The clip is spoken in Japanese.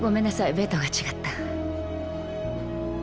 ベッドが違った。